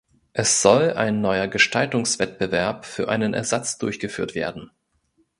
Es soll ein neuer Gestaltungswettbewerb für einen Ersatz durchgeführt werden.